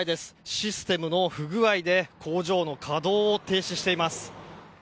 システムの不具合で工場の稼働を停止しています。